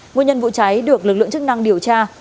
nguyên nhân vụ cháy được lực lượng chức năng điều tra